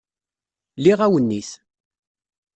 Liɣ awennit.